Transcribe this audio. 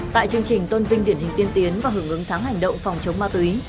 tại chương trình tôn vinh điển hình tiên tiến và hưởng ứng tháng hành động phòng chống ma túy